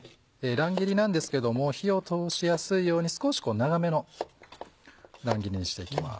乱切りなんですけども火を通しやすいように少し長めの乱切りにしていきます。